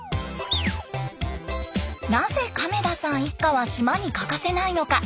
なぜ亀田さん一家は島に欠かせないのか？